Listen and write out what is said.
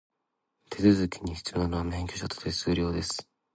手続きに必要なのは、免許証と手数料です。